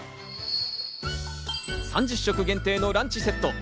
３０食限定のランチセット。